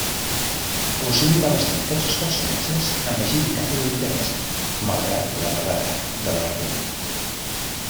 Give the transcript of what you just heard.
Rossini va bastir tots els personatges amb agilitat i delicadesa, malgrat la brevetat de l'argument.